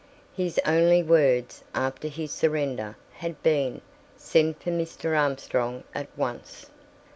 His only words, after his surrender, had been "Send for Mr. Armstrong at once."